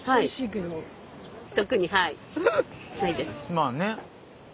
まあね。